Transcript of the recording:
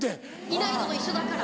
いないのと一緒だから。